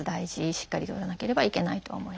しっかりとらなければいけないと思います。